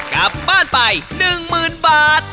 กลับบ้านไป๑๐๐๐บาท